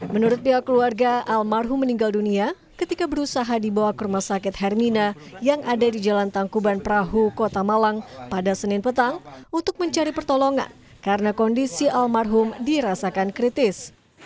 menurut pihak keluarga almarhum meninggal dunia ketika berusaha dibawa ke rumah sakit hermina yang ada di jalan tangkuban perahu kota malang pada senin petang untuk mencari pertolongan karena kondisi almarhum dirasakan kritis